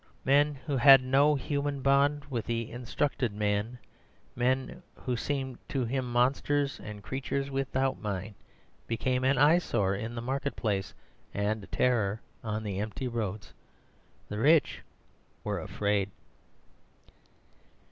Men who had no human bond with the instructed man, men who seemed to him monsters and creatures without mind, became an eyesore in the market place and a terror on the empty roads. The rich were afraid.